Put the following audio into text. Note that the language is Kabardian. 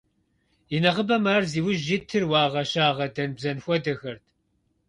И нэхъыбэм ар зи ужь итыр уагъэ-щагъэ, дэн-бзэн хуэдэхэрт.